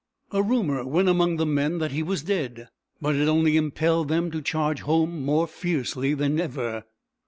A rumor went among the men that he was dead, but it only impelled them to charge home, more fiercely than ever.